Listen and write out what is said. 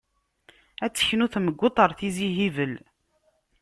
Ad teknu Temguṭ ar Tizi Hibel.